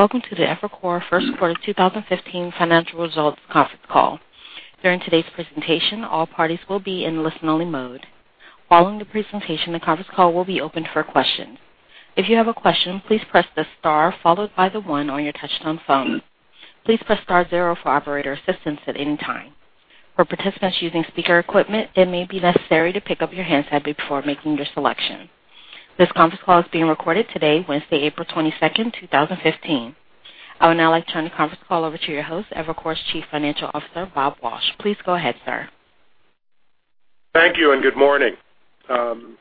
Welcome to the Evercore first quarter 2015 financial results conference call. During today's presentation, all parties will be in listen-only mode. Following the presentation, the conference call will be opened for questions. If you have a question, please press the star followed by the one on your touch-tone phone. Please press star zero for operator assistance at any time. For participants using speaker equipment, it may be necessary to pick up your handset before making your selection. This conference call is being recorded today, Wednesday, April 22nd, 2015. I would now like to turn the conference call over to your host, Evercore's Chief Financial Officer, Robert Walsh. Please go ahead, sir. Thank you. Good morning. I'm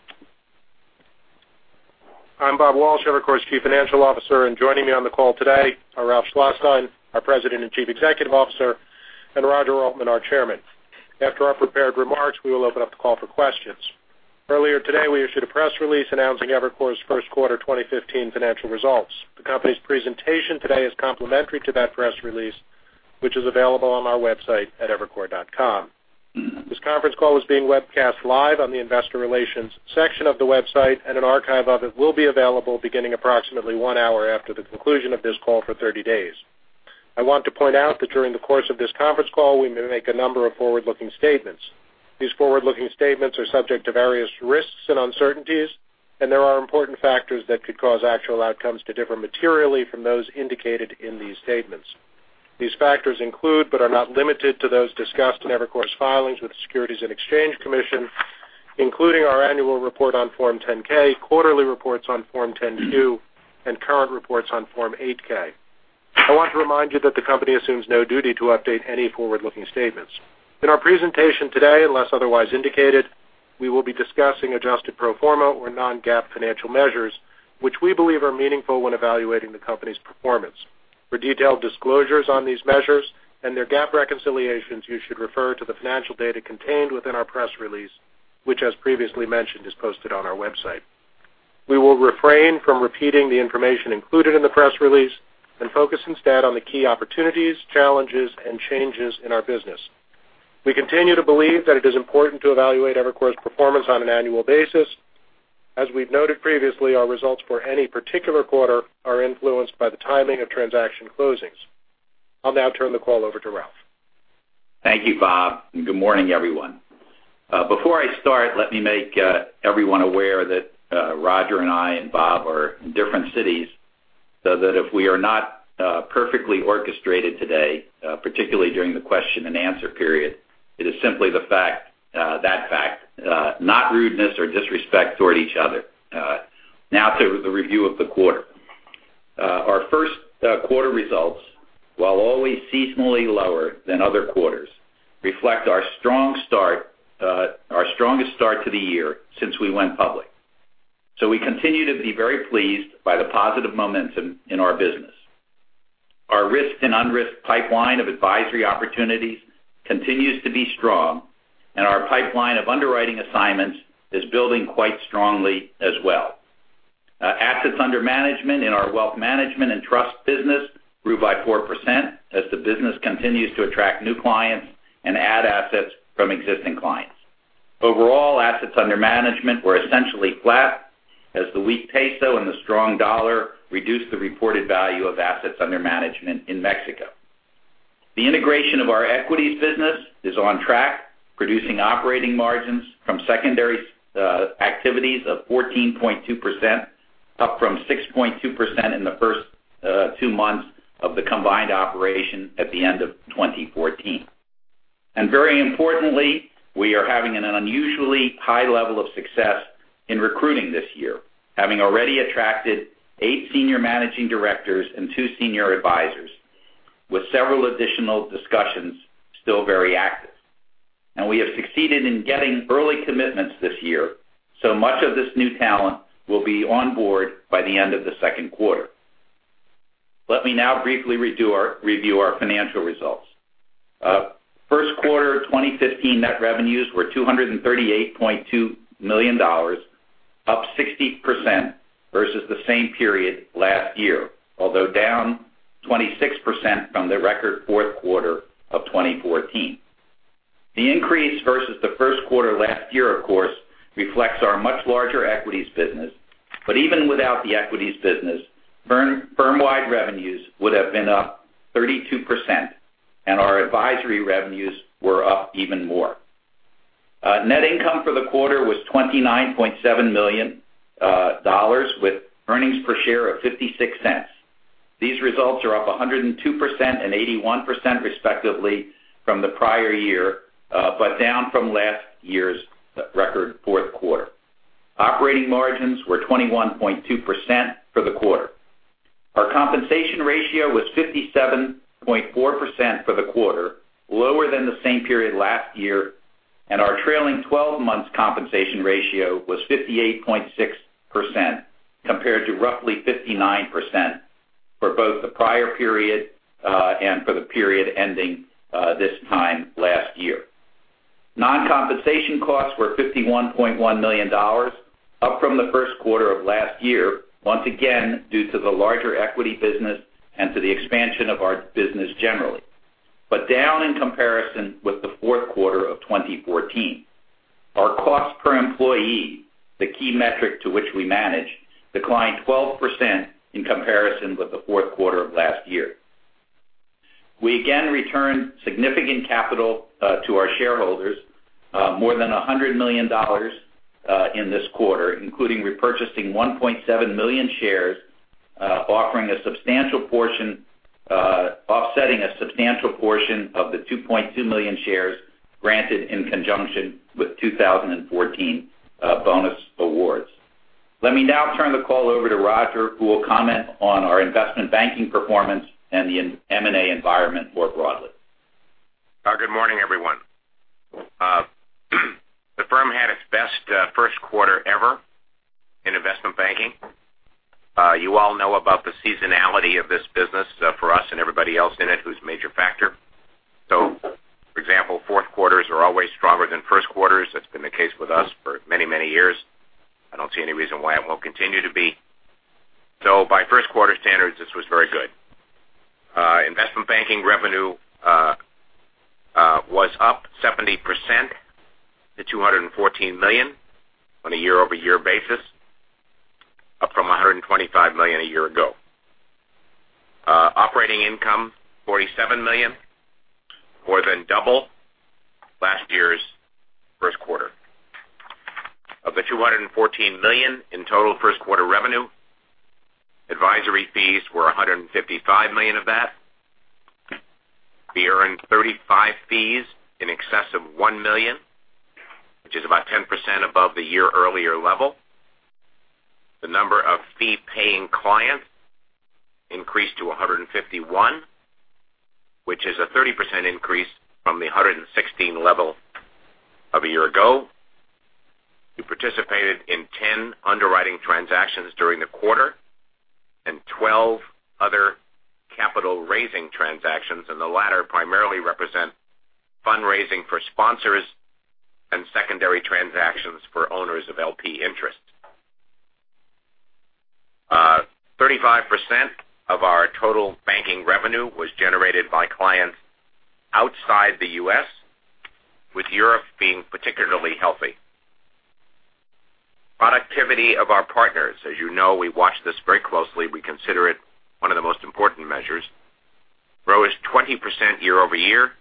Robert Walsh, Evercore's Chief Financial Officer, and joining me on the call today are Ralph Schlosstein, our President and Chief Executive Officer, and Roger Altman, our Chairman. After our prepared remarks, we will open up the call for questions. Earlier today, we issued a press release announcing Evercore's first quarter 2015 financial results. The company's presentation today is complementary to that press release, which is available on our website at evercore.com. This conference call is being webcast live on the investor relations section of the website, and an archive of it will be available beginning approximately one hour after the conclusion of this call for 30 days. I want to point out that during the course of this conference call, we may make a number of forward-looking statements. These forward-looking statements are subject to various risks and uncertainties. There are important factors that could cause actual outcomes to differ materially from those indicated in these statements. These factors include, but are not limited to, those discussed in Evercore's filings with the Securities and Exchange Commission, including our annual report on Form 10-K, quarterly reports on Form 10-Q, and current reports on Form 8-K. I want to remind you that the company assumes no duty to update any forward-looking statements. In our presentation today, unless otherwise indicated, we will be discussing adjusted pro forma or non-GAAP financial measures, which we believe are meaningful when evaluating the company's performance. For detailed disclosures on these measures and their GAAP reconciliations, you should refer to the financial data contained within our press release, which, as previously mentioned, is posted on our website. We will refrain from repeating the information included in the press release. We focus instead on the key opportunities, challenges, and changes in our business. We continue to believe that it is important to evaluate Evercore's performance on an annual basis. As we've noted previously, our results for any particular quarter are influenced by the timing of transaction closings. I'll now turn the call over to Ralph. Thank you, Bob, and good morning, everyone. Before I start, let me make everyone aware that Roger and I and Bob are in different cities, so that if we are not perfectly orchestrated today, particularly during the question and answer period, it is simply that fact, not rudeness or disrespect toward each other. Now to the review of the quarter. Our first quarter results, while always seasonally lower than other quarters, reflect our strongest start to the year since we went public. We continue to be very pleased by the positive momentum in our business. Our risked and unrisked pipeline of advisory opportunities continues to be strong, and our pipeline of underwriting assignments is building quite strongly as well. Assets under management in our wealth management and trust business grew by 4% as the business continues to attract new clients and add assets from existing clients. Overall, assets under management were essentially flat as the weak peso and the strong dollar reduced the reported value of assets under management in Mexico. The integration of our equities business is on track, producing operating margins from secondary activities of 14.2%, up from 6.2% in the first two months of the combined operation at the end of 2014. Very importantly, we are having an unusually high level of success in recruiting this year, having already attracted eight senior managing directors and two senior advisors, with several additional discussions still very active. We have succeeded in getting early commitments this year, so much of this new talent will be on board by the end of the second quarter. Let me now briefly review our financial results. First quarter 2015 net revenues were $238.2 million, up 60% versus the same period last year, although down 26% from the record fourth quarter of 2014. The increase versus the first quarter last year, of course, reflects our much larger equities business. Even without the equities business, firm-wide revenues would have been up 32%, and our advisory revenues were up even more. Net income for the quarter was $29.7 million, with earnings per share of $0.56. These results are up 102% and 81% respectively from the prior year, but down from last year's record fourth quarter. Operating margins were 21.2% for the quarter. Our compensation ratio was 57.4% for the quarter, lower than the same period last year, and our trailing 12 months compensation ratio was 58.6%, compared to roughly 59% for both the prior period, and for the period ending this time last year. Non-compensation costs were $51.1 million, up from the first quarter of last year, once again, due to the larger equity business and to the expansion of our business generally, but down in comparison with the fourth quarter of 2014. Our cost per employee, the key metric to which we manage, declined 12% in comparison with the fourth quarter of last year. We again returned significant capital to our shareholders, more than $100 million in this quarter, including repurchasing 1.7 million shares, offsetting a substantial portion of the 2.2 million shares granted in conjunction with 2014 bonus awards. Let me now turn the call over to Roger, who will comment on our investment banking performance and the M&A environment more broadly. Good morning, everyone. The firm had its best first quarter ever in investment banking. You all know about the seasonality of this business for us and everybody else in it who's a major factor. For example, fourth quarters are always stronger than first quarters. That's been the case with us for many, many years. I don't see any reason why it won't continue to be. By first quarter standards, this was very good. Investment banking revenue was up 70% to $214 million on a year-over-year basis, up from $125 million a year ago. Operating income, $47 million, more than double last year's first quarter. Of the $214 million in total first quarter revenue, advisory fees were $155 million of that. We earned 35 fees in excess of $1 million, which is about 10% above the year-earlier level. The number of fee-paying clients increased to 151, which is a 30% increase from the 116 level of a year ago. We participated in 10 underwriting transactions during the quarter and 12 other capital-raising transactions. The latter primarily represent fundraising for sponsors and secondary transactions for owners of LP interests. 35% of our total banking revenue was generated by clients outside the U.S., with Europe being particularly healthy. Productivity of our partners, as you know, we watch this very closely. We consider it one of the most important measures, rose 20% year-over-year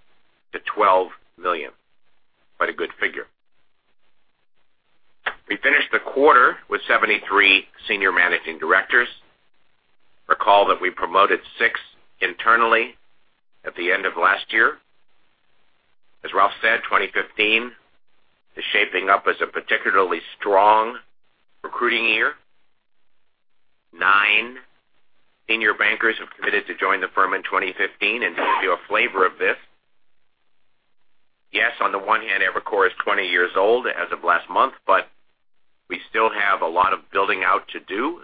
to $12 million. Quite a good figure. We finished the quarter with 73 Senior Managing Directors. Recall that we promoted six internally at the end of last year. As Ralph said, 2015 is shaping up as a particularly strong recruiting year. Nine senior bankers have committed to join the firm in 2015. To give you a flavor of this. Yes, on the one hand, Evercore is 20 years old as of last month, but we still have a lot of building out to do.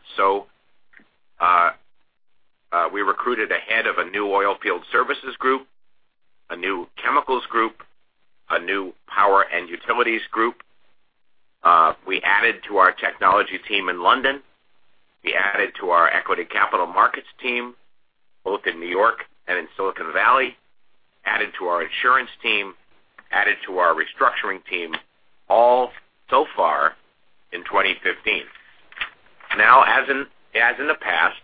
We recruited a head of a new oil field services group, a new chemicals group, a new power and utilities group. We added to our technology team in London. We added to our equity capital markets team, both in New York and in Silicon Valley, added to our insurance team, added to our restructuring team, all so far in 2015. As in the past,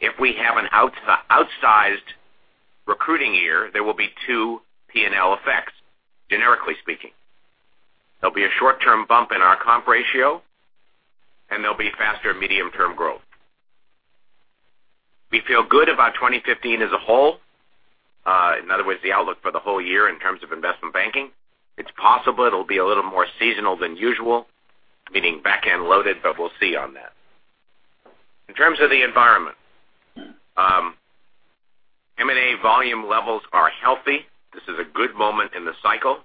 if we have an outsized recruiting year, there will be two P&L effects, generically speaking. There'll be a short-term bump in our comp ratio, and there'll be faster medium-term growth. We feel good about 2015 as a whole. In other words, the outlook for the whole year in terms of investment banking. It's possible it'll be a little more seasonal than usual, meaning back-end loaded, but we'll see on that. In terms of the environment, M&A volume levels are healthy. This is a good moment in the cycle.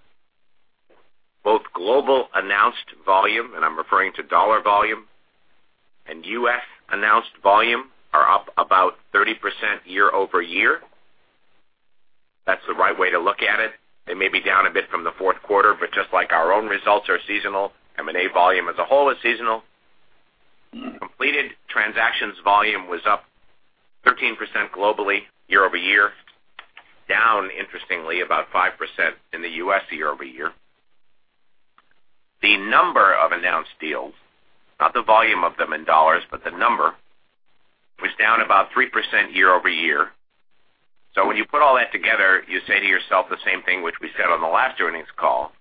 Both global announced volume, and I'm referring to dollar volume, and U.S.-announced volume are up about 30% year-over-year. That's the right way to look at it. They may be down a bit from the fourth quarter, but just like our own results are seasonal, M&A volume as a whole is seasonal. Completed transactions volume was up 13% globally year-over-year. Down, interestingly, about 5% in the U.S. year-over-year. The number of announced deals, not the volume of them in dollars, but the number, was down about 3% year-over-year. When you put all that together, you say to yourself the same thing which we said on the last earnings call,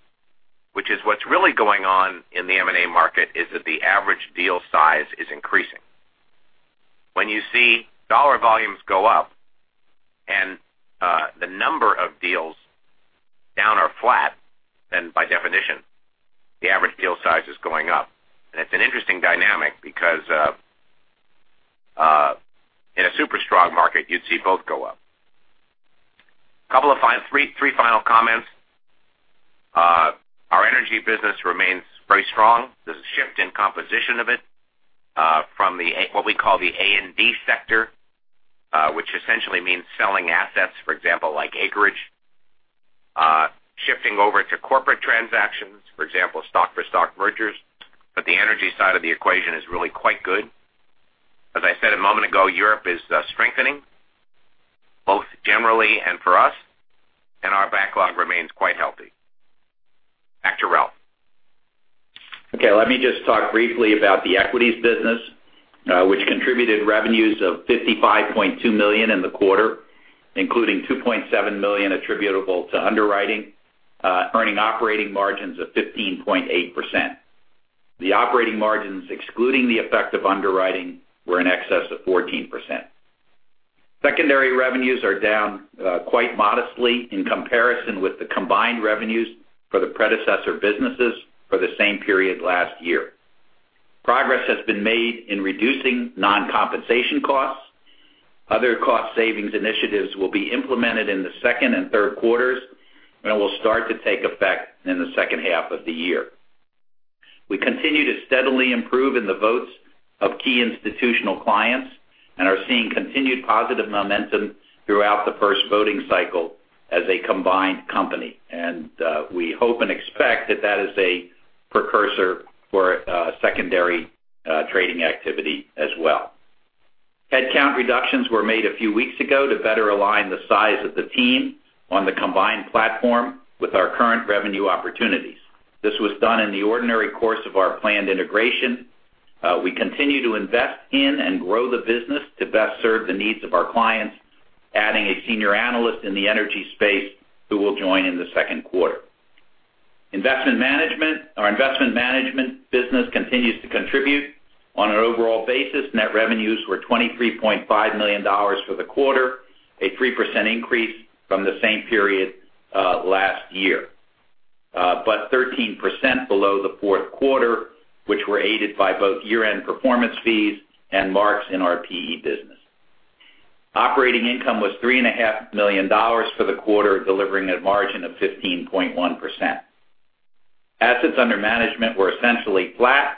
which is what's really going on in the M&A market is that the average deal size is increasing. When you see dollar volumes go up and the number of deals down or flat, then by definition, the average deal size is going up. It's an interesting dynamic because in a super strong market, you'd see both go up. Three final comments. Our energy business remains very strong. There's a shift in composition of it from what we call the A&D sector, which essentially means selling assets, for example, like acreage, shifting over to corporate transactions, for example, stock-for-stock mergers. The energy side of the equation is really quite good. As I said a moment ago, Europe is strengthening. Both generally and for us, our backlog remains quite healthy. Back to Ralph. Let me just talk briefly about the equities business, which contributed revenues of $55.2 million in the quarter, including $2.7 million attributable to underwriting, earning operating margins of 15.8%. The operating margins, excluding the effect of underwriting, were in excess of 14%. Secondary revenues are down quite modestly in comparison with the combined revenues for the predecessor businesses for the same period last year. Progress has been made in reducing non-compensation costs. Other cost savings initiatives will be implemented in the second and third quarters and it will start to take effect in the second half of the year. We continue to steadily improve in the votes of key institutional clients and are seeing continued positive momentum throughout the first voting cycle as a combined company. We hope and expect that that is a precursor for secondary trading activity as well. Headcount reductions were made a few weeks ago to better align the size of the team on the combined platform with our current revenue opportunities. This was done in the ordinary course of our planned integration. We continue to invest in and grow the business to best serve the needs of our clients, adding a senior analyst in the energy space who will join in the second quarter. Our investment management business continues to contribute. On an overall basis, net revenues were $23.5 million for the quarter, a 3% increase from the same period last year. 13% below the fourth quarter, which were aided by both year-end performance fees and marks in our PE business. Operating income was $3.5 million for the quarter, delivering a margin of 15.1%. Assets under management were essentially flat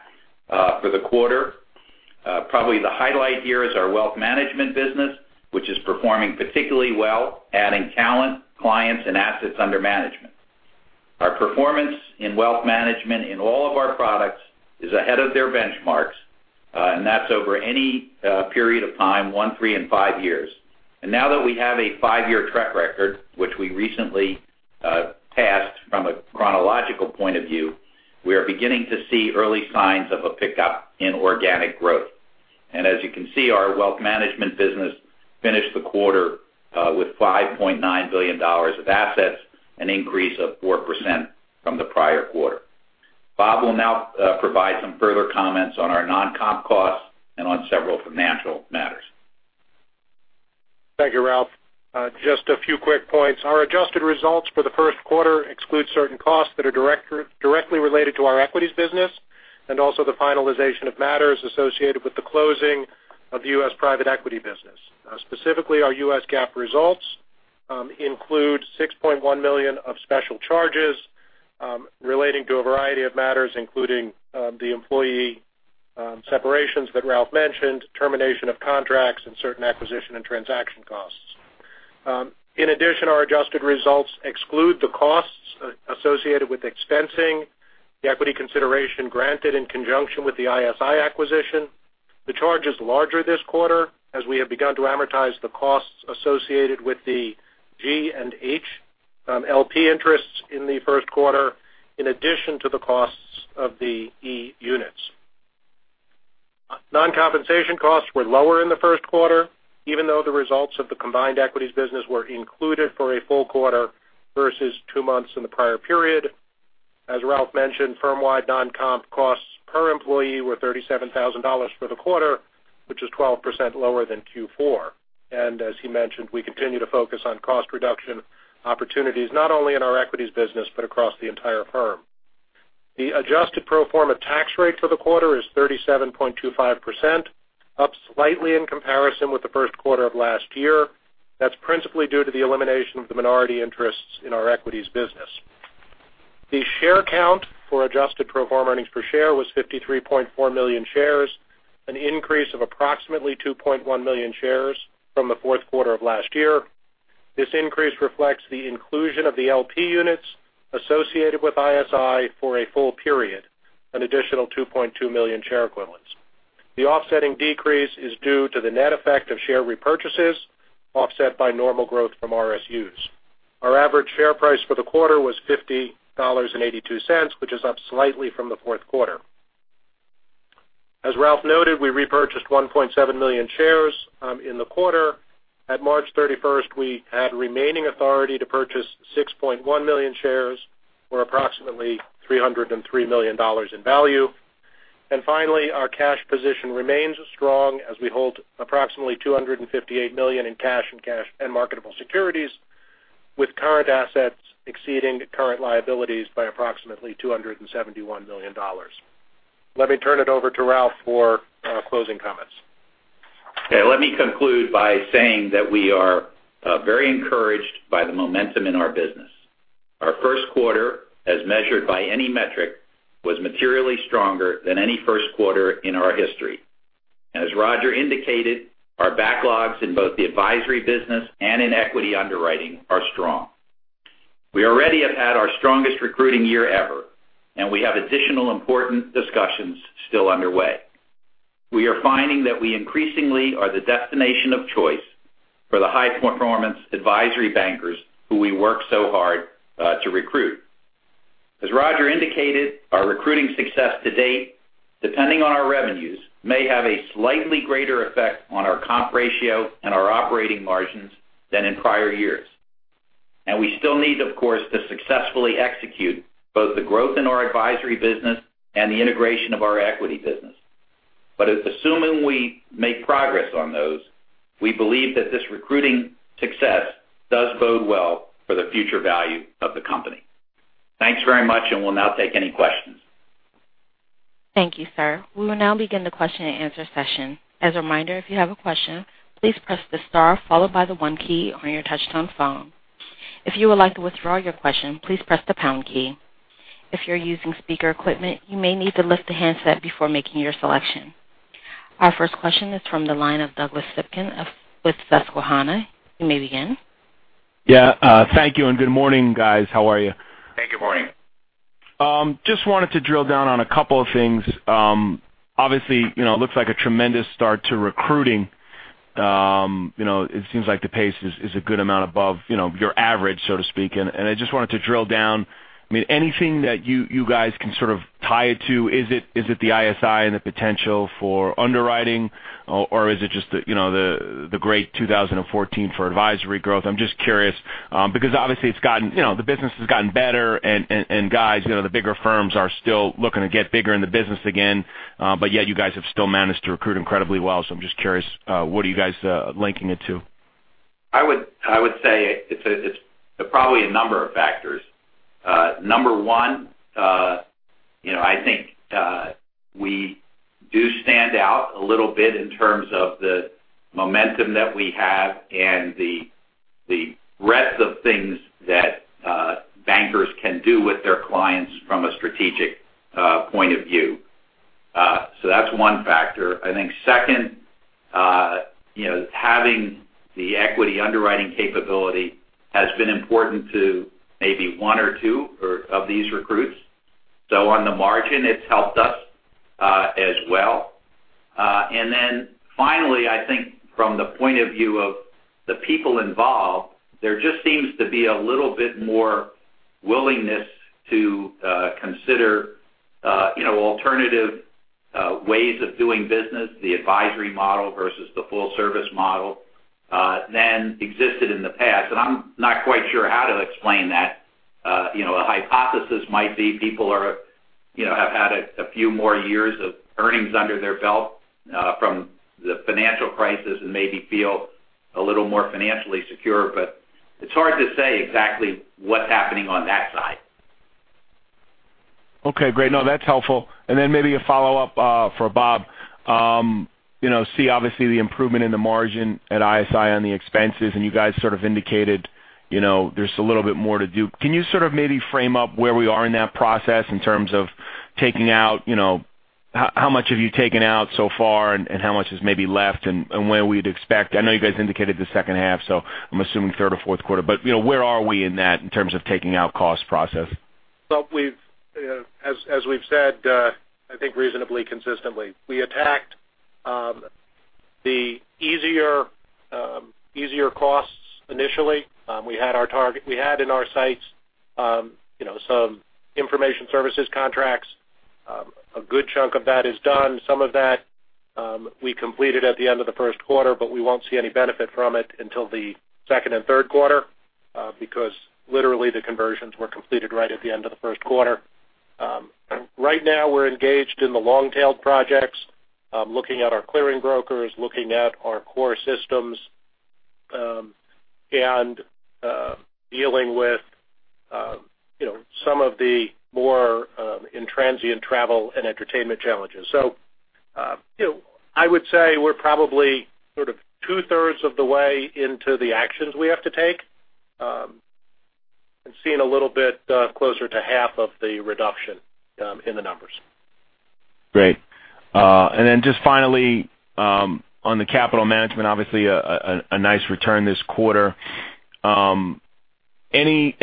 for the quarter. Probably the highlight here is our wealth management business, which is performing particularly well, adding talent, clients, and assets under management. Our performance in wealth management in all of our products is ahead of their benchmarks, and that's over any period of time, one, three, and five years. Now that we have a five-year track record, which we recently passed from a chronological point of view, we are beginning to see early signs of a pickup in organic growth. As you can see, our wealth management business finished the quarter with $5.9 billion of assets, an increase of 4% from the prior quarter. Bob will now provide some further comments on our non-comp costs and on several financial matters. Thank you, Ralph. Just a few quick points. Our adjusted results for the first quarter exclude certain costs that are directly related to our equities business, and also the finalization of matters associated with the closing of the U.S. private equity business. Specifically, our U.S. GAAP results include $6.1 million of special charges relating to a variety of matters, including the employee separations that Ralph mentioned, termination of contracts, and certain acquisition and transaction costs. In addition, our adjusted results exclude the costs associated with expensing the equity consideration granted in conjunction with the ISI acquisition. The charge is larger this quarter as we have begun to amortize the costs associated with the Class G and H LP Interests in the first quarter, in addition to the costs of the Class E units. Non-compensation costs were lower in the first quarter, even though the results of the combined equities business were included for a full quarter versus two months in the prior period. As Ralph mentioned, firm-wide non-comp costs per employee were $37,000 for the quarter, which is 12% lower than Q4. As he mentioned, we continue to focus on cost reduction opportunities, not only in our equities business, but across the entire firm. The adjusted pro forma tax rate for the quarter is 37.25%, up slightly in comparison with the first quarter of last year. That's principally due to the elimination of the minority interests in our equities business. The share count for adjusted pro forma earnings per share was 53.4 million shares, an increase of approximately 2.1 million shares from the fourth quarter of last year. This increase reflects the inclusion of the LP units associated with ISI for a full period, an additional 2.2 million share equivalents. The offsetting decrease is due to the net effect of share repurchases offset by normal growth from RSUs. Our average share price for the quarter was $50.82, which is up slightly from the fourth quarter. As Ralph noted, we repurchased 1.7 million shares in the quarter. At March 31st, we had remaining authority to purchase 6.1 million shares, or approximately $303 million in value. Finally, our cash position remains strong as we hold approximately $258 million in cash and marketable securities, with current assets exceeding current liabilities by approximately $271 million. Let me turn it over to Ralph for closing comments. Okay, let me conclude by saying that we are very encouraged by the momentum in our business. Our first quarter, as measured by any metric, was materially stronger than any first quarter in our history. As Roger indicated, our backlogs in both the advisory business and in equity underwriting are strong. We already have had our strongest recruiting year ever, and we have additional important discussions still underway. We are finding that we increasingly are the destination of choice for the high-performance advisory bankers who we work so hard to recruit. As Roger indicated, our recruiting success to date, depending on our revenues, may have a slightly greater effect on our comp ratio and our operating margins than in prior years. We still need, of course, to successfully execute both the growth in our advisory business and the integration of our equity business. Assuming we make progress on those, we believe that this recruiting success does bode well for the future value of the company. Thanks very much, and we'll now take any questions. Thank you, sir. We will now begin the question and answer session. As a reminder, if you have a question, please press the star followed by the 1 key on your touch-tone phone. If you would like to withdraw your question, please press the pound key. If you're using speaker equipment, you may need to lift the handset before making your selection. Our first question is from the line of Douglas Sipkin of Susquehanna. You may begin. Thank you, and good morning, guys. How are you? Good morning. Just wanted to drill down on a couple of things. Obviously, it looks like a tremendous start to recruiting. It seems like the pace is a good amount above your average, so to speak. I just wanted to drill down. Anything that you guys can sort of tie it to? Is it the ISI and the potential for underwriting, or is it just the great 2014 for advisory growth? I'm just curious. Obviously, the business has gotten better, and guys, the bigger firms are still looking to get bigger in the business again. Yet you guys have still managed to recruit incredibly well. I'm just curious, what are you guys linking it to? I would say it's probably a number of factors. Number one, I think we do stand out a little bit in terms of the momentum that we have and the breadth of things that bankers can do with their clients from a strategic point of view. That's one factor. I think second, having the equity underwriting capability has been important to maybe one or two of these recruits. On the margin, it's helped us as well. Finally, I think from the point of view of the people involved, there just seems to be a little bit more willingness to consider alternative ways of doing business, the advisory model versus the full-service model, than existed in the past. I'm not quite sure how to explain that. A hypothesis might be people have had a few more years of earnings under their belt from the financial crisis and maybe feel a little more financially secure. It's hard to say exactly what's happening on that side. Okay, great. No, that's helpful. Maybe a follow-up for Bob. See, obviously, the improvement in the margin at ISI on the expenses, you guys sort of indicated there's a little bit more to do. Can you sort of maybe frame up where we are in that process in terms of taking out, how much have you taken out so far and how much is maybe left and when we'd expect? I know you guys indicated the second half, so I'm assuming third or fourth quarter. Where are we in that in terms of taking out cost process? We've said, I think reasonably consistently, we attacked the easier costs initially. We had in our sights some information services contracts. A good chunk of that is done. Some of that we completed at the end of the first quarter, but we won't see any benefit from it until the second and third quarter because literally the conversions were completed right at the end of the first quarter. We're engaged in the long-tailed projects, looking at our clearing brokers, looking at our core systems, and dealing with some of the more intransient travel and entertainment challenges. I would say we're probably sort of two-thirds of the way into the actions we have to take and seeing a little bit closer to half of the reduction in the numbers. Great. Just finally, on the capital management, obviously a nice return this quarter. Anything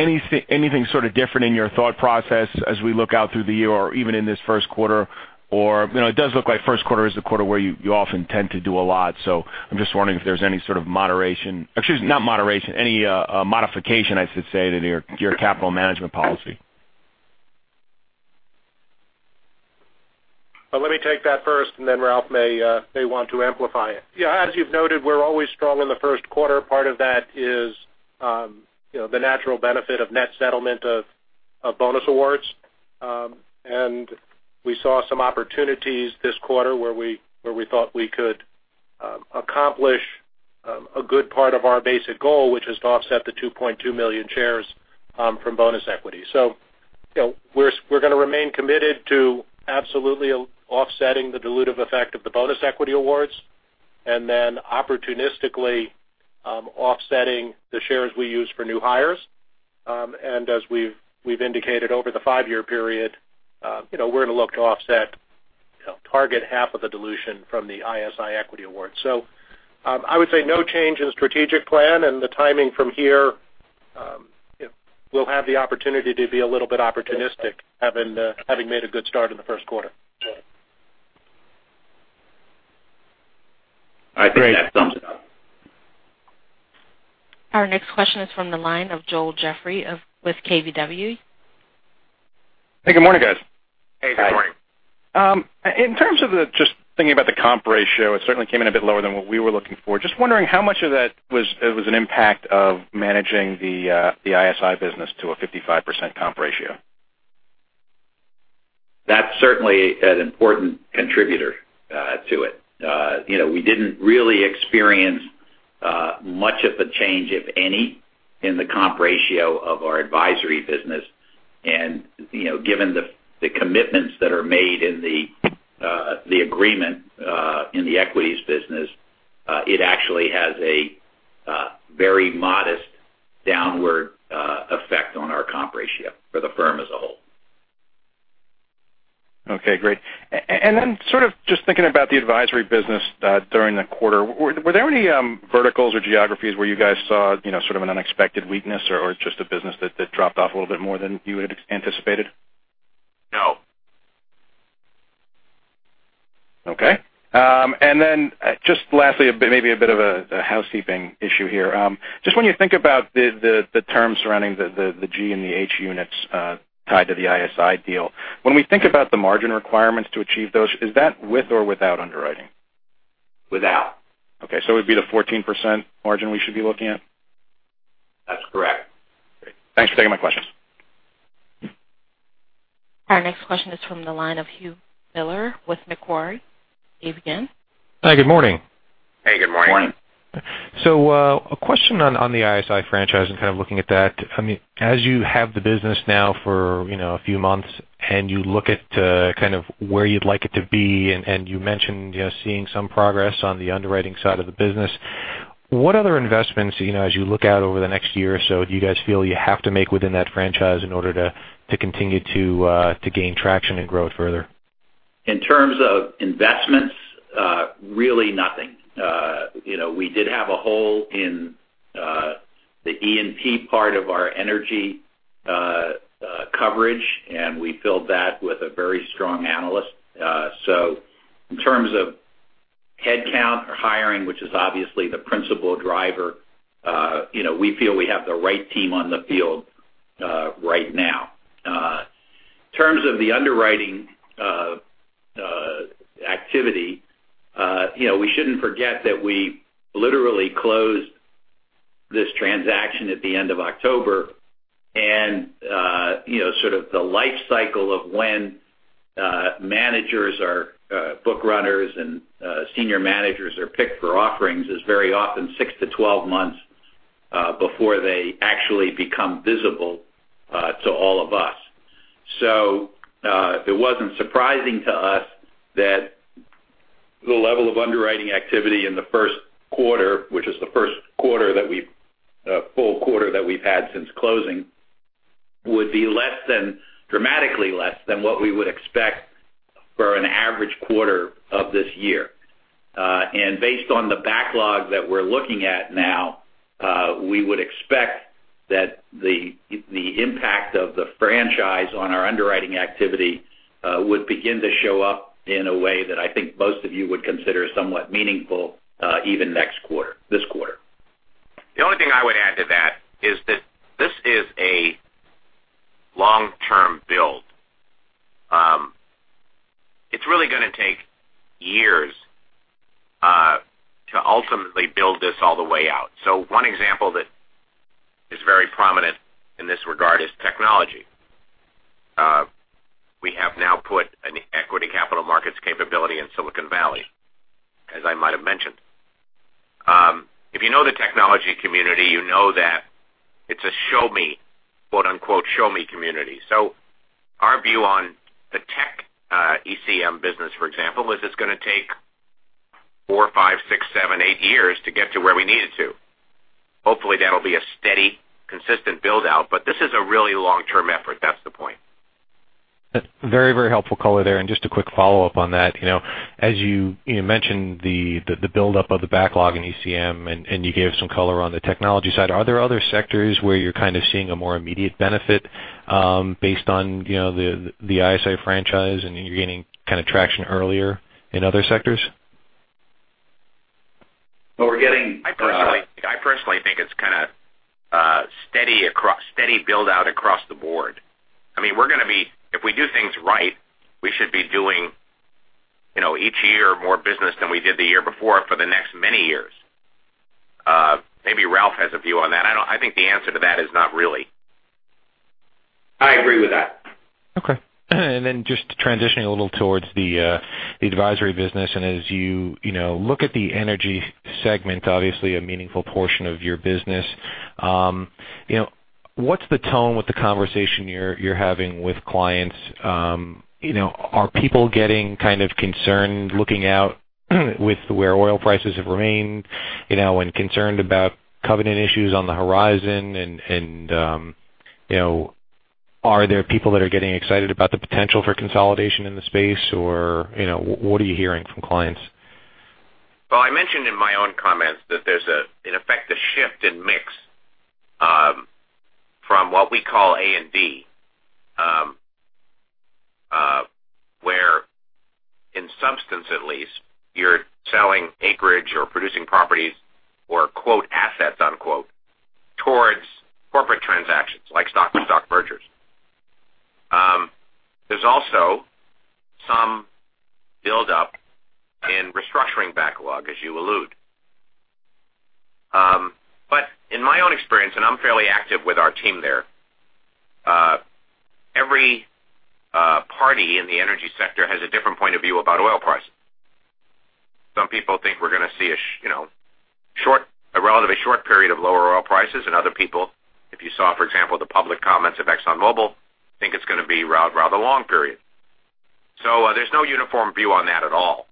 sort of different in your thought process as we look out through the year or even in this first quarter? It does look like first quarter is the quarter where you often tend to do a lot. I'm just wondering if there's any sort of moderation, excuse me, not moderation, any modification, I should say, to your capital management policy. Let me take that first. Ralph may want to amplify it. As you've noted, we're always strong in the first quarter. Part of that is the natural benefit of net settlement of bonus awards. We saw some opportunities this quarter where we thought we could accomplish a good part of our basic goal, which is to offset the 2.2 million shares from bonus equity. We're going to remain committed to absolutely offsetting the dilutive effect of the bonus equity awards, opportunistically offsetting the shares we use for new hires. As we've indicated over the five-year period, we're going to look to offset Target half of the dilution from the ISI equity award. I would say no change in strategic plan and the timing from here, we'll have the opportunity to be a little bit opportunistic having made a good start in the first quarter. I think that sums it up. Our next question is from the line of Joel Jeffrey with KBW. Hey, good morning, guys. Hey, good morning. Hi. In terms of just thinking about the comp ratio, it certainly came in a bit lower than what we were looking for. Just wondering how much of that was an impact of managing the ISI business to a 55% comp ratio. That's certainly an important contributor to it. We didn't really experience much of a change, if any, in the comp ratio of our advisory business. Given the commitments that are made in the agreement, in the equities business, it actually has a very modest downward effect on our comp ratio for the firm as a whole. Okay, great. Sort of just thinking about the advisory business during the quarter, were there any verticals or geographies where you guys saw sort of an unexpected weakness or just a business that dropped off a little bit more than you had anticipated? No. Okay. Just lastly, maybe a bit of a housekeeping issue here. Just when you think about the terms surrounding the G and the H units, tied to the ISI deal, when we think about the margin requirements to achieve those, is that with or without underwriting? Without. Okay. It would be the 14% margin we should be looking at? That's correct. Great. Thanks for taking my questions. Our next question is from the line of Hugh Miller with Macquarie. Dave again. Hi, good morning. Hey, good morning. Morning. A question on the ISI franchise and kind of looking at that. As you have the business now for a few months, and you look at kind of where you'd like it to be, and you mentioned seeing some progress on the underwriting side of the business, what other investments, as you look out over the next year or so, do you guys feel you have to make within that franchise in order to continue to gain traction and grow it further? In terms of investments, really nothing. We did have a hole in the E&P part of our energy coverage, and we filled that with a very strong analyst. In terms of headcount or hiring, which is obviously the principal driver, we feel we have the right team on the field right now. In terms of the underwriting activity, we shouldn't forget that we literally closed this transaction at the end of October. Sort of the life cycle of when managers or book runners and senior managers are picked for offerings is very often six to 12 months, before they actually become visible to all of us. It wasn't surprising to us that the level of underwriting activity in the first quarter, which is the first full quarter that we've had since closing, would be dramatically less than what we would expect for an average quarter of this year. Based on the backlog that we're looking at now, we would expect that the impact of the franchise on our underwriting activity would begin to show up in a way that I think most of you would consider somewhat meaningful, even this quarter. The only thing I would add to that is that this is a long-term build. It's really going to take years to ultimately build this all the way out. One example that is very prominent in this regard is technology. We have now put an equity capital markets capability in Silicon Valley, as I might have mentioned. If you know the technology community, you know that it's a quote, unquote, "show me" community. Our view on the tech ECM business, for example, was it's going to take four, five, six, seven, eight years to get to where we need it to. Hopefully, that'll be a steady, consistent build-out, but this is a really long-term effort. That's the point. Very helpful color there. Just a quick follow-up on that. As you mentioned the buildup of the backlog in ECM, and you gave some color on the technology side, are there other sectors where you're kind of seeing a more immediate benefit, based on the ISI franchise and you're gaining kind of traction earlier in other sectors? Well. I personally think it's kind of a steady build-out across the board. If we do things right, we should be doing each year more business than we did the year before for the next many years. Maybe Ralph has a view on that. I think the answer to that is not really. I agree with that. Okay. Just transitioning a little towards the advisory business, as you look at the energy segment, obviously a meaningful portion of your business, what's the tone with the conversation you're having with clients? Are people getting kind of concerned looking out with where oil prices have remained, concerned about covenant issues on the horizon? Are there people that are getting excited about the potential for consolidation in the space, or what are you hearing from clients? Well, I mentioned in my own comments that there's, in effect, a shift in mix from what we call A&D, where, in substance at least, you're selling acreage or producing properties or "assets" towards corporate transactions like stock-for-stock mergers. There's also some build-up in restructuring backlog, as you allude. In my own experience, and I'm fairly active with our team there, every party in the energy sector has a different point of view about oil prices. Some people think we're going to see a relatively short period of lower oil prices, and other people, if you saw, for example, the public comments of ExxonMobil, think it's going to be a rather long period. There's no uniform view on that at all.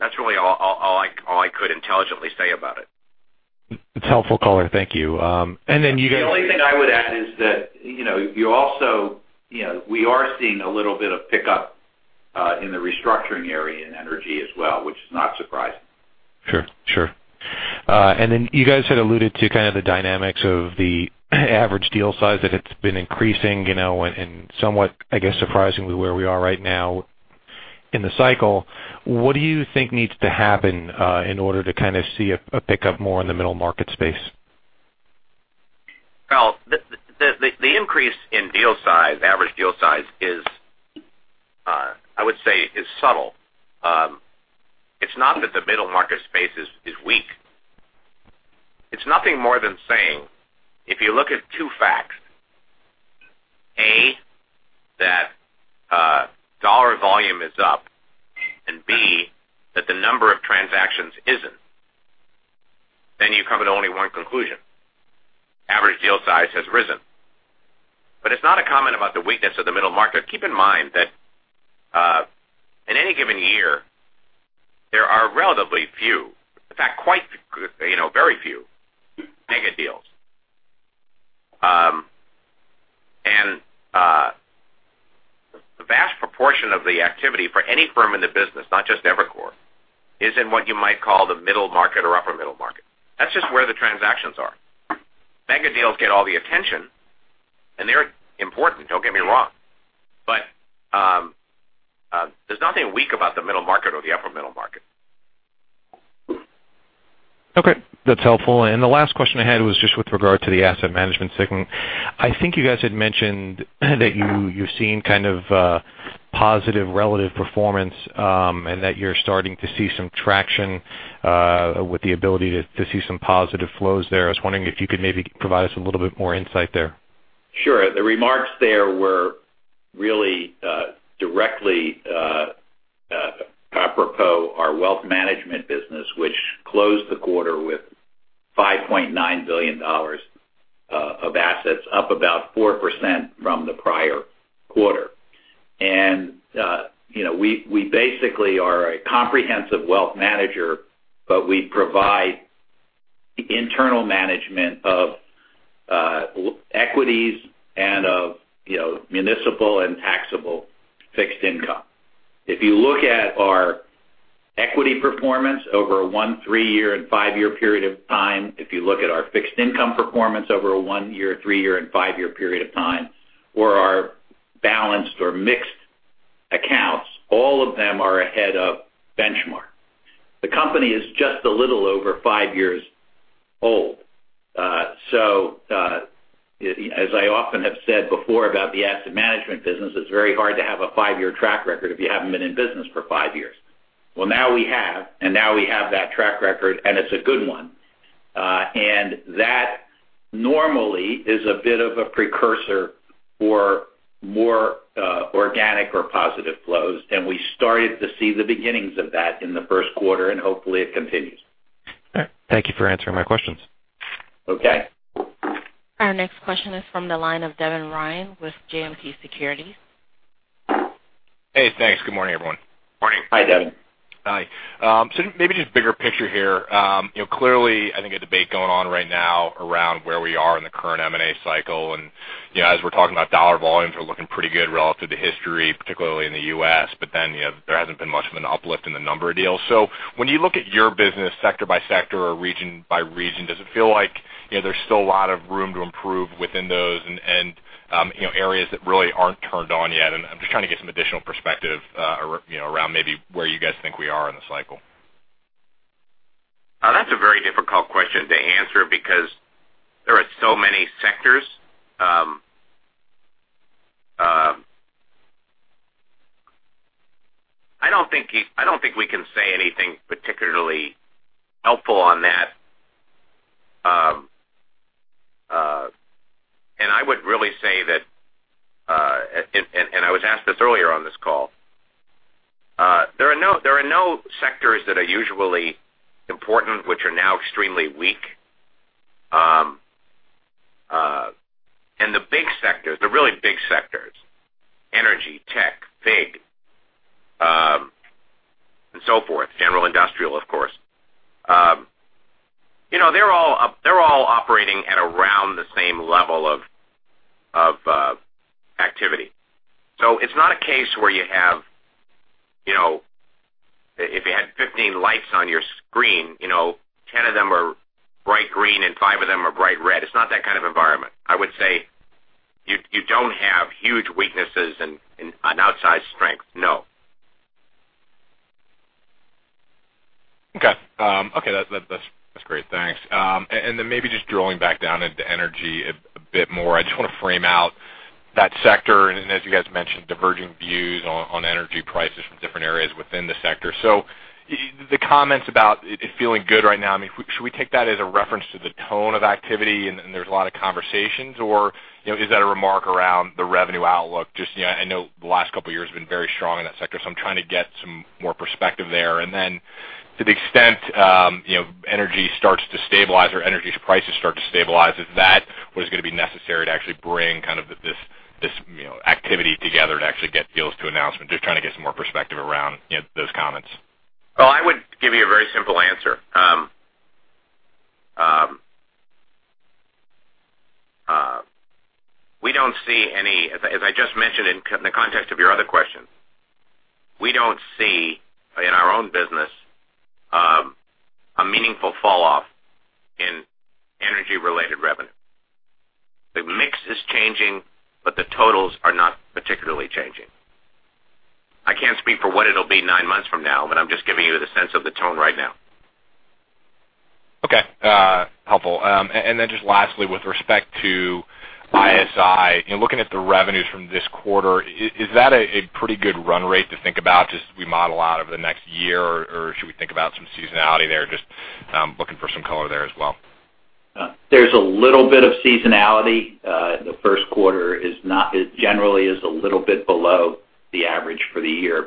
That's really all I could intelligently say about it. It's helpful color. Thank you. Then you guys. The only thing I would add is that we are seeing a little bit of pickup in the restructuring area in energy as well, which is not surprising. Sure. Then you guys had alluded to kind of the dynamics of the average deal size, that it's been increasing, and somewhat, I guess, surprisingly, where we are right now in the cycle. What do you think needs to happen in order to kind of see a pickup more in the middle market space? Well, the increase in average deal size, I would say, is subtle. It's not that the middle market space is weak. It's nothing more than saying, if you look at two facts, A, that dollar volume is up, and B, that the number of transactions isn't, then you come to only one conclusion. Average deal size has risen. It's not a comment about the weakness of the middle market. Keep in mind that in any given year, there are relatively few, in fact, very few mega deals. The vast proportion of the activity for any firm in the business, not just Evercore, is in what you might call the middle market or upper middle market. That's just where the transactions are. Mega deals get all the attention, and they're important, don't get me wrong. There's nothing weak about the middle market or the upper middle market. That's helpful. The last question I had was just with regard to the asset management segment. I think you guys had mentioned that you've seen kind of a positive relative performance, and that you're starting to see some traction with the ability to see some positive flows there. I was wondering if you could maybe provide us a little bit more insight there. Sure. The remarks there were really directly apropos our wealth management business, which closed the quarter with $5.9 billion of assets, up about 4% from the prior quarter. We basically are a comprehensive wealth manager, but we provide internal management of equities and of municipal and taxable fixed income. If you look at our equity performance over a one, three-year, and five-year period of time, if you look at our fixed income performance over a one-year, three-year, and five-year period of time, or our balanced or mixed accounts, all of them are ahead of benchmark. The company is just a little over five years old. As I often have said before about the asset management business, it's very hard to have a five-year track record if you haven't been in business for five years. Well, now we have, and now we have that track record, and it's a good one. That normally is a bit of a precursor for more organic or positive flows, and we started to see the beginnings of that in the first quarter, and hopefully it continues. All right. Thank you for answering my questions. Okay. Our next question is from the line of Devin Ryan with JMP Securities. Hey, thanks. Good morning, everyone. Morning. Hi, Devin. Hi. Maybe just bigger picture here. Clearly, I think a debate going on right now around where we are in the current M&A cycle, and as we're talking about dollar volumes are looking pretty good relative to history, particularly in the U.S., but then there hasn't been much of an uplift in the number of deals. When you look at your business sector by sector or region by region, does it feel like there's still a lot of room to improve within those, and areas that really aren't turned on yet? I'm just trying to get some additional perspective around maybe where you guys think we are in the cycle. That's a very difficult question to answer because there are so many sectors. I don't think we can say anything particularly helpful on that. I would really say that, and I was asked this earlier on this call. There are no sectors that are usually important, which are now extremely weak. So forth, general industrial, of course. They're all operating at around the same level of activity. It's not a case where if you had 15 lights on your screen, 10 of them are bright green and five of them are bright red. It's not that kind of environment. I would say you don't have huge weaknesses and an outsized strength, no. Okay. That's great. Thanks. Maybe just drilling back down into energy a bit more. I just want to frame out that sector and as you guys mentioned, diverging views on energy prices from different areas within the sector. The comments about it feeling good right now, should we take that as a reference to the tone of activity and there's a lot of conversations, or is that a remark around the revenue outlook? Just I know the last couple of years have been very strong in that sector, I'm trying to get some more perspective there. To the extent energy starts to stabilize or energy prices start to stabilize, is that what is going to be necessary to actually bring this activity together to actually get deals to announcement? Just trying to get some more perspective around those comments. Well, I would give you a very simple answer. As I just mentioned in the context of your other question, we don't see in our own business, a meaningful fall off in energy-related revenue. The mix is changing, but the totals are not particularly changing. I can't speak for what it'll be nine months from now, but I'm just giving you the sense of the tone right now. Okay. Helpful. Just lastly, with respect to ISI, looking at the revenues from this quarter, is that a pretty good run rate to think about just as we model out over the next year, or should we think about some seasonality there? Just looking for some color there as well. There's a little bit of seasonality. The first quarter generally is a little bit below the average for the year.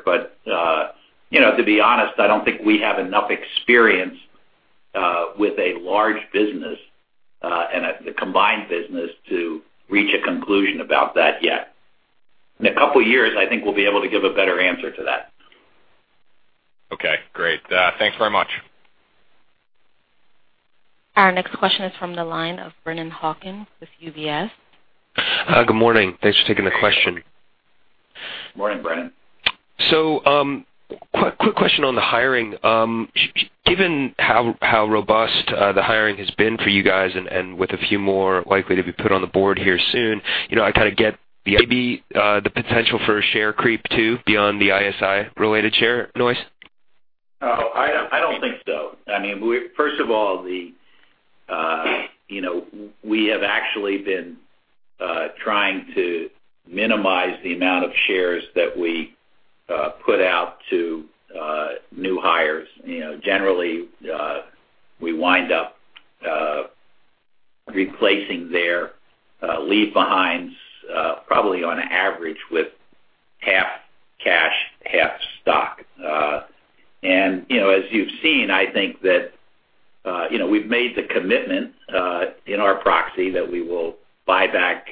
To be honest, I don't think we have enough experience with a large business and a combined business to reach a conclusion about that yet. In a couple of years, I think we'll be able to give a better answer to that. Okay, great. Thanks very much. Our next question is from the line of Brennan Hawken with UBS. Good morning. Thanks for taking the question. Morning, Brennan. Quick question on the hiring. Given how robust the hiring has been for you guys and with a few more likely to be put on the board here soon, I kind of get maybe the potential for a share creep too beyond the ISI related share noise? No, I don't think so. First of all, we have actually been trying to minimize the amount of shares that we put out to new hires. Generally, we wind up replacing their leave-behinds probably on average with half cash, half stock. As you've seen, I think that we've made the commitment in our proxy that we will buy back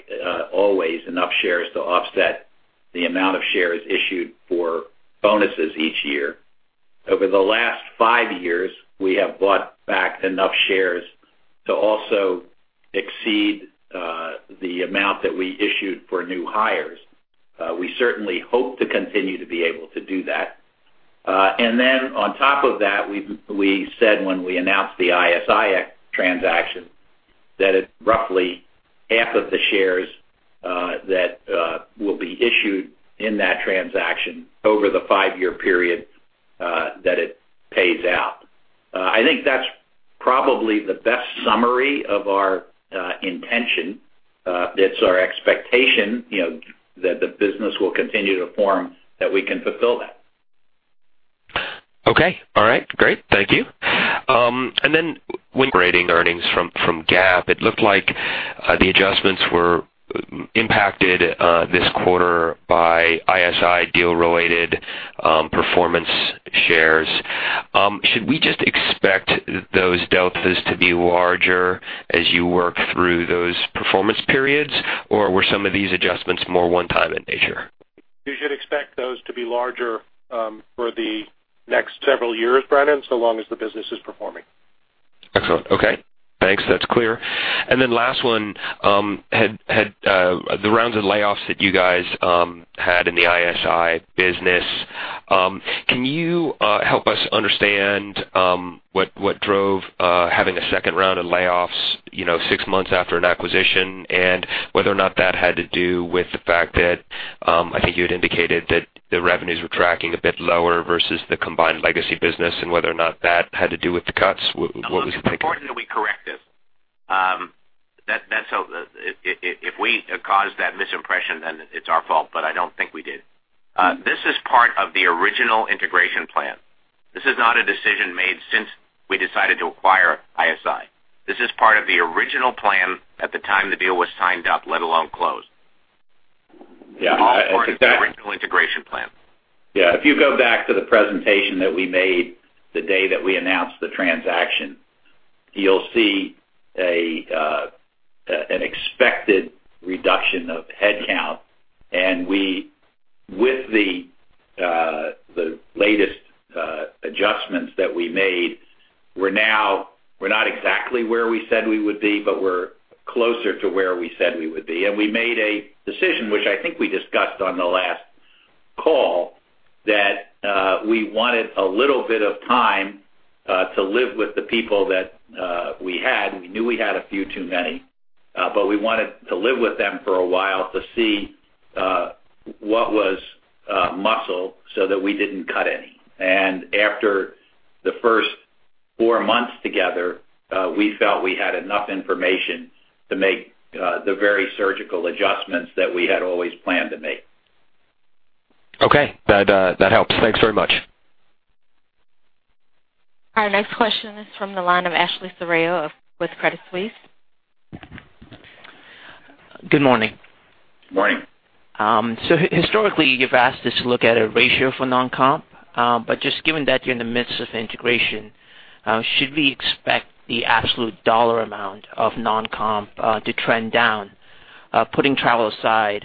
always enough shares to offset the amount of shares issued for bonuses each year. Over the last five years, we have bought back enough shares to also exceed the amount that we issued for new hires. We certainly hope to continue to be able to do that. Then on top of that, we said when we announced the ISI transaction, that it's roughly half of the shares that will be issued in that transaction over the five-year period that it pays out. I think that's probably the best summary of our intention. It's our expectation that the business will continue to form, that we can fulfill that. Okay. All right, great. Thank you. Then when grading earnings from GAAP, it looked like the adjustments were impacted this quarter by ISI deal-related performance shares. Should we just expect those deltas to be larger as you work through those performance periods? Or were some of these adjustments more one time in nature? You should expect those to be larger for the next several years, Brennan, so long as the business is performing. Excellent. Okay, thanks. That's clear. Then last one, the rounds of layoffs that you guys had in the ISI business, can you help us understand what drove having a second round of layoffs six months after an acquisition and whether or not that had to do with the fact that I think you had indicated that the revenues were tracking a bit lower versus the combined legacy business and whether or not that had to do with the cuts? What was the takeaway? It's important that we correct this. If we caused that misimpression, then it's our fault, but I don't think we did. This is part of the original integration plan. This is not a decision made since we decided to acquire ISI. This is part of the original plan at the time the deal was signed up, let alone closed. Yeah. Part of the original integration plan. Yeah. If you go back to the presentation that we made the day that we announced the transaction You'll see an expected reduction of headcount. With the latest adjustments that we made, we're not exactly where we said we would be, but we're closer to where we said we would be. We made a decision, which I think we discussed on the last call, that we wanted a little bit of time to live with the people that we had. We knew we had a few too many, but we wanted to live with them for a while to see what was muscle so that we didn't cut any. After the first four months together, we felt we had enough information to make the very surgical adjustments that we had always planned to make. Okay. That helps. Thanks very much. Our next question is from the line of Ashley Serrao with Credit Suisse. Good morning. Good morning. Historically, you've asked us to look at a ratio for non-comp, but just given that you're in the midst of integration, should we expect the absolute dollar amount of non-comp to trend down, putting travel aside?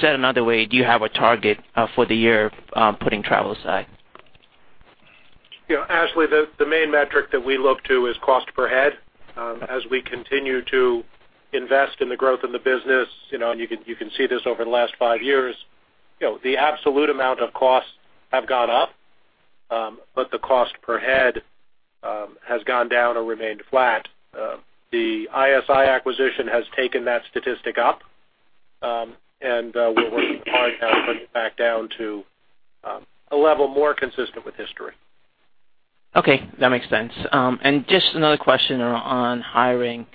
Said another way, do you have a target for the year, putting travel aside? Yeah, Ashley, the main metric that we look to is cost per head. As we continue to invest in the growth in the business, and you can see this over the last five years, the absolute amount of costs have gone up, but the cost per head has gone down or remained flat. The ISI acquisition has taken that statistic up, and we're working hard now to bring it back down to a level more consistent with history. Okay, that makes sense. Just another question on hiring.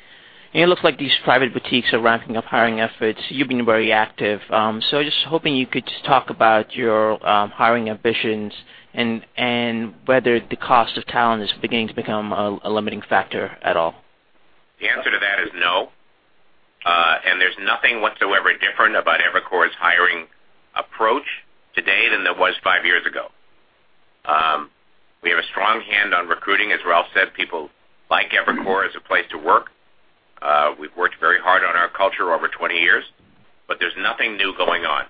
It looks like these private boutiques are ramping up hiring efforts. You've been very active. I was just hoping you could talk about your hiring ambitions and whether the cost of talent is beginning to become a limiting factor at all. The answer to that is no. There's nothing whatsoever different about Evercore's hiring approach today than there was five years ago. We have a strong hand on recruiting. As Ralph said, people like Evercore as a place to work. We've worked very hard on our culture over 20 years, there's nothing new going on.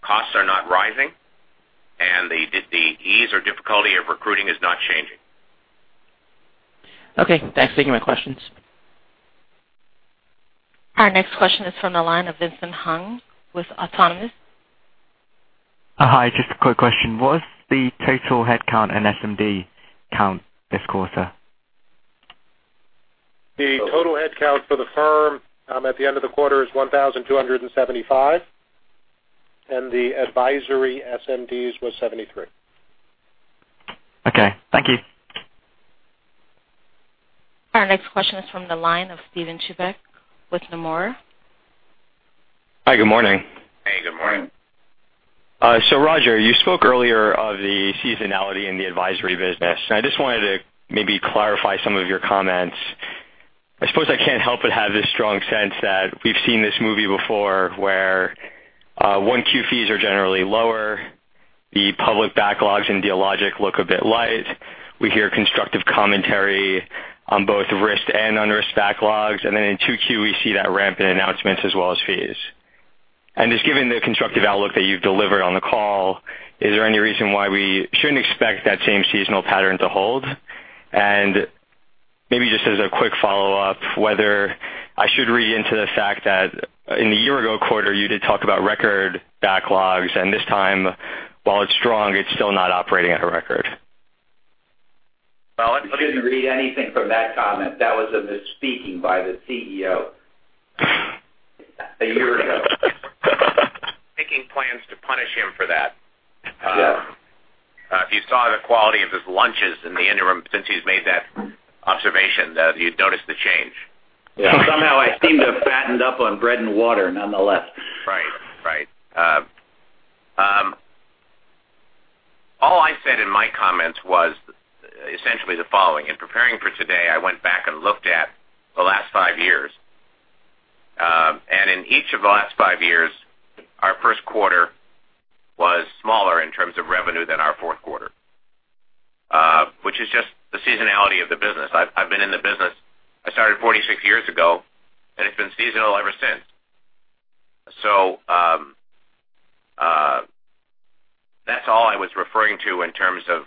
Costs are not rising, and the ease or difficulty of recruiting is not changing. Okay, thanks for taking my questions. Our next question is from the line of Vincent Hung with Autonomous Research. Hi. Just a quick question. What is the total headcount and SMD count this quarter? The total headcount for the firm at the end of the quarter is 1,275, and the advisory SMDs was 73. Okay. Thank you. Our next question is from the line of Steven Chubak with Nomura. Hi, good morning. Hey, good morning. Roger, you spoke earlier of the seasonality in the advisory business, I just wanted to maybe clarify some of your comments. I suppose I can't help but have this strong sense that we've seen this movie before, where 1Q fees are generally lower, the public backlogs in Dealogic look a bit light, we hear constructive commentary on both risked and unrisked backlogs, then in 2Q, we see that ramp in announcements as well as fees. Just given the constructive outlook that you've delivered on the call, is there any reason why we shouldn't expect that same seasonal pattern to hold? Maybe just as a quick follow-up, whether I should read into the fact that in the year-ago quarter, you did talk about record backlogs, and this time, while it's strong, it's still not operating at a record. Well, I- You shouldn't read anything from that comment. That was a misspeaking by the CEO a year ago. Making plans to punish him for that. Yes. If you saw the quality of his lunches in the interim since he's made that observation, you'd notice the change. Yeah. Somehow I seem to have fattened up on bread and water nonetheless. Right. All I said in my comments was essentially the following. In preparing for today, I went back and looked at the last 5 years, and in each of the last 5 years, our first quarter was smaller in terms of revenue than our fourth quarter, which is just the seasonality of the business. I've been in the business I started 46 years ago, and it's been seasonal ever since. That's all I was referring to in terms of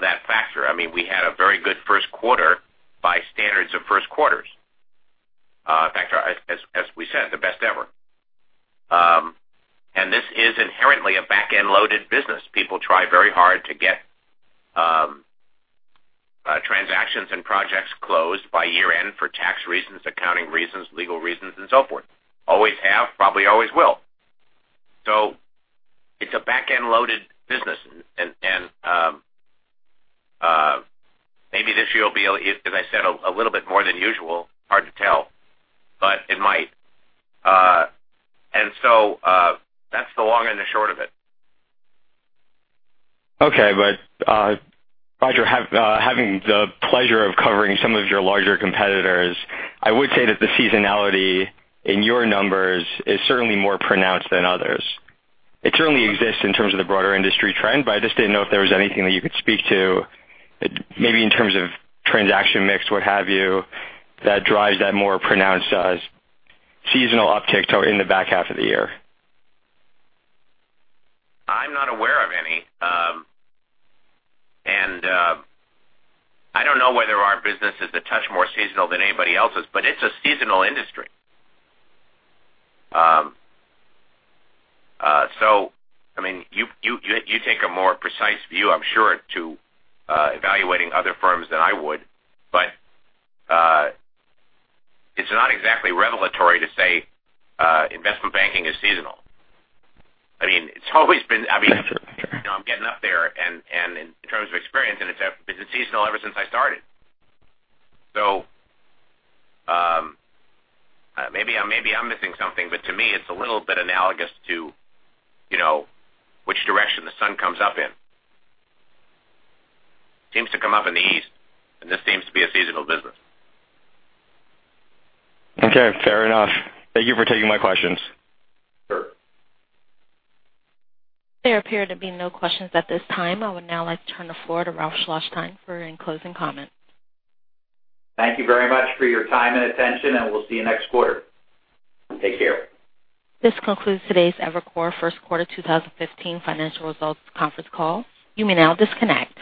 that factor. I mean, we had a very good first quarter by standards of first quarters. In fact, as we said, the best ever. This is inherently a back-end loaded business. People try very hard to get transactions and projects closed by year-end for tax reasons, accounting reasons, legal reasons, and so forth. Always have, probably always will. It's a back-end loaded business, and maybe this year will be, as I said, a little bit more than usual. Hard to tell, but it might. That's the long and the short of it. Okay. Roger, having the pleasure of covering some of your larger competitors, I would say that the seasonality in your numbers is certainly more pronounced than others. It certainly exists in terms of the broader industry trend, but I just didn't know if there was anything that you could speak to, maybe in terms of transaction mix, what have you, that drives that more pronounced seasonal uptick in the back half of the year. I'm not aware of any. I don't know whether our business is a touch more seasonal than anybody else's, but it's a seasonal industry. I mean, you take a more precise view, I'm sure, to evaluating other firms than I would. It's not exactly revelatory to say investment banking is seasonal. I mean, it's always been. I mean, I'm getting up there in terms of experience, and it's been seasonal ever since I started. Maybe I'm missing something, but to me, it's a little bit analogous to which direction the sun comes up in. Seems to come up in the east, and this seems to be a seasonal business. Okay, fair enough. Thank you for taking my questions. Sure. There appear to be no questions at this time. I would now like to turn the floor to Ralph Schlosstein for any closing comments. Thank you very much for your time and attention. We'll see you next quarter. Take care. This concludes today's Evercore first quarter 2015 financial results conference call. You may now disconnect.